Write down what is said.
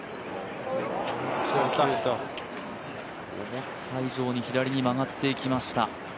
思った以上に左に曲がっていきました。